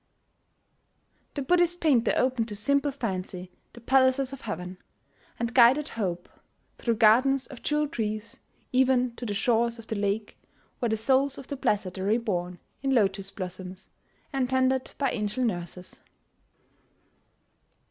The Buddhist painter opened to simple fancy the palaces of heaven, and guided hope, through gardens of jewel trees, even to the shores of that lake where the souls of the blessed are reborn in lotos blossoms, and tended by angel nurses.